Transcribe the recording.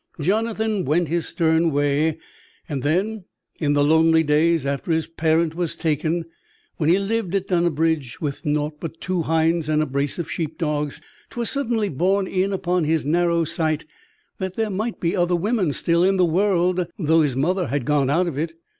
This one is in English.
Jonathan went his stern way; and then, in the lonely days after his parent was taken, when he lived at Dunnabridge, with nought but two hinds and a brace of sheep dogs, 'twas suddenly borne in upon his narrow sight that there might be other women still in the world, though his mother had gone out of it.